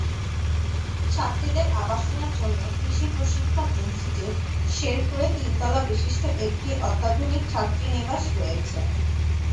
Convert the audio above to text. ছাত্রীদের আবাসনের জন্য কৃষি প্রশিক্ষণ ইনস্টিটিউট, শেরপুর এ তিন তলা বিশিষ্ট একটি অত্যাধুনিক ছাত্রীনিবাস রয়েছে।